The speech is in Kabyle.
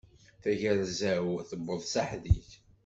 Tayerza-w tewweḍ s aḥdid.